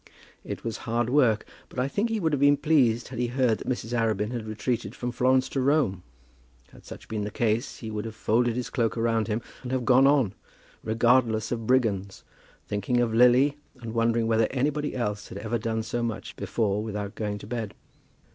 It was hard work, but I think he would have been pleased had he heard that Mrs. Arabin had retreated from Florence to Rome. Had such been the case, he would have folded his cloak around him, and have gone on, regardless of brigands, thinking of Lily, and wondering whether anybody else had ever done so much before without going to bed.